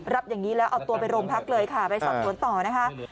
รับอย่างนี้แล้วเอาตัวไปโรงพักเลยค่ะไปสอบสวนต่อนะคะ